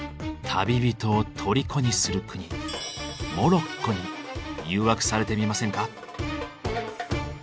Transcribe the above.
旅人を虜にする国モロッコに誘惑されてみませんか。